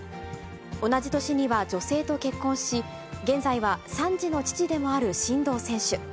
同じ年には女性と結婚し、現在は３児の父でもある真道選手。